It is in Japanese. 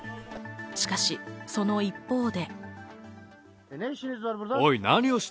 しかしその一方で。